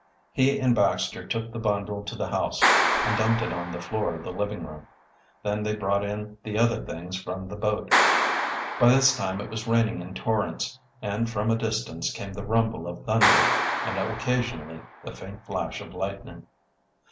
He and Baxter took the bundle to the house and dumped it on the floor of the living room. Then they brought in the other things from the boat. By this time it was raining in torrents, and from a distance came the rumble of thunder and occasionally the faint flash of lightning.